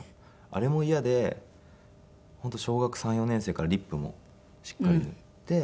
あれも嫌で本当小学３４年生からリップもしっかり塗って。